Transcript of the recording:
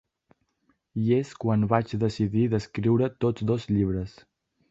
I és quan vaig decidir d’escriure tots dos llibres.